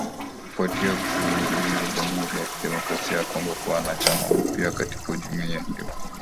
Kufuatia kuingizwa kwa Jamhuri ya Kidemokrasi ya Kongo kuwa mwanachama mpya katika jumuiya hiyo.